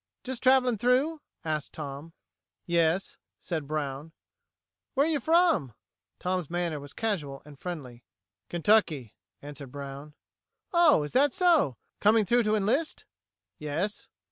"Just traveling through?" asked Tom. "Yes," said Brown. "Where are you from?" Tom's manner was casual and friendly. "Kentucky," answered Brown. "Oh, is that so? Coming through to enlist?" "Yes."